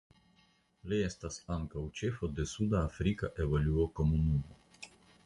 Li estas ankaŭ ĉefo de Suda Afrika Evolua Komunumo.